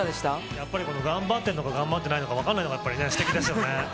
やっぱり、この頑張ってんのか、頑張ってないのか分からないのが、やっぱりすてきですよね。